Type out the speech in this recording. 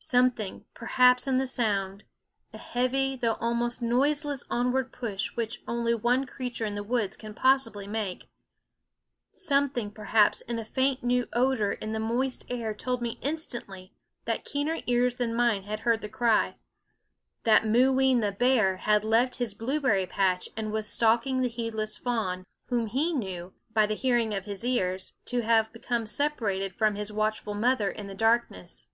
Something, perhaps, in the sound a heavy, though almost noiseless onward push which only one creature in the woods can possibly make something, perhaps, in a faint new odor in the moist air told me instantly that keener ears than mine had heard the cry; that Mooween the bear had left his blueberry patch, and was stalking the heedless fawn, whom he knew, by the hearing of his ears, to have become separated from his watchful mother in the darkness.